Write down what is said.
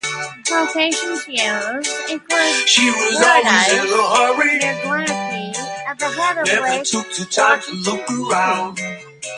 Locations used include Paradise near Glenorchy, at the head of Lake Wakatipu.